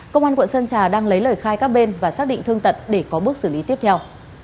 công an quận sơn trà đang lấy lời khai các bên và xác định thương tật để có bước xử lý tiếp theo